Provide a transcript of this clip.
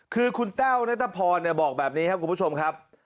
คือคุณแต้วนัทพรบอกแบบนี้ครับคุณผู้ชมครับ